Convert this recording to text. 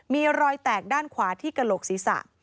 มีรอยแตกด้านขวาที่กระโหลกศีรษะ